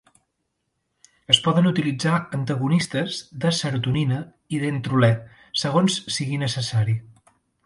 Es poden utilitzar antagonistes de serotonina i dantrolè segons sigui necessari.